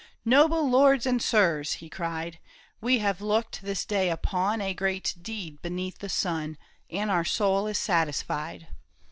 " Noble lords and sirs," he cried, " We have looked this day upon A great deed beneath the sun, And our soul is satisfied.